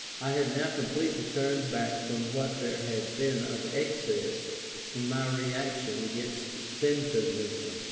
I had now completely turned back from what there had been of excess in my reaction against Benthamism.